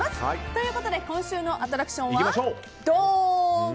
ということで今週のアトラクションはドーン！